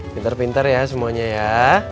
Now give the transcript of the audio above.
pintar pintar ya semuanya ya